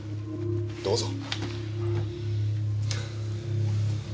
どうぞ！